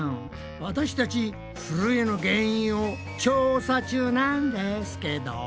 私たちふるえの原因を調査中なんですけど。